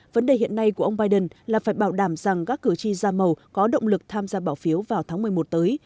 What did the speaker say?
vấn đề hiện nay của ông biden là phải bảo đảm rằng các cử tri da màu có động lực tham gia bỏ phiếu vào tháng một mươi một tới